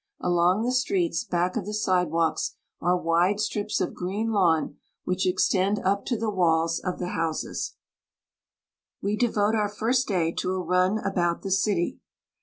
Along the streets back of the sidewalks are wide strips of green lawn which extend up to the walls of the houses. The Library of Congress. We devote our first day to a run about the city.